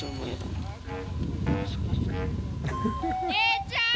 兄ちゃん！